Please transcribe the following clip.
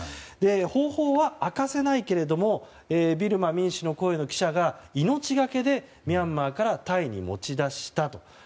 方法は明かせないけれどもビルマ民主の声の記者が命がけでミャンマーからタイに持ち出したと。